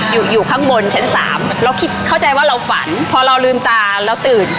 อยู่อยู่ข้างบนชั้นสามเราคิดเข้าใจว่าเราฝันพอเราลืมตาเราตื่น